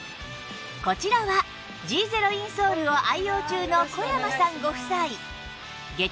こちらは Ｇ ゼロインソールを愛用中の小山さんご夫妻